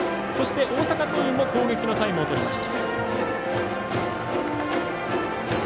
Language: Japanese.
大阪桐蔭も攻撃のタイムをとりました。